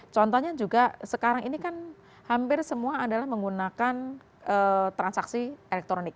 contohnya juga sekarang ini kan hampir semua adalah menggunakan transaksi elektronik